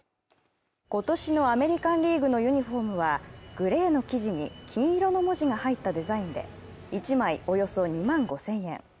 今年のアメリカン・リーグのユニフォームはグレーの生地に金色の文字が入ったデザインで、１枚およそ２万５０００円。